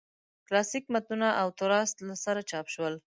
کلاسیک متنونه او تراث له سره چاپ شول.